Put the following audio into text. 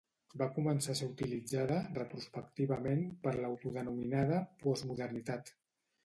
Va començar a ser utilitzada, retrospectivament, per l'autodenominada postmodernitat.